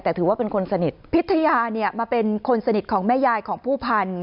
แต่ถือว่าเป็นคนสนิทพิทยาเนี่ยมาเป็นคนสนิทของแม่ยายของผู้พันธ